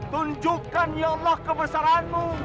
tunjukkan ya allah kebesaranmu